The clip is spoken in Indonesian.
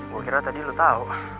gua kira tadi lo tau